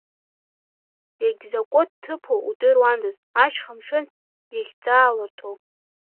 Иагьзакәытә ҭыԥу удыруандаз, ашьха амшын иахьӡааларҭоу!